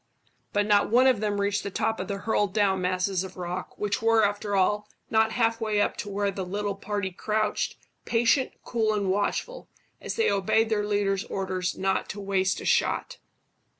But not one of them reached the top of the hurled down masses of rock, which were, after all, not half way up to where the little party crouched, patient, cool, and watchful, as they obeyed their leader's orders not to waste a shot.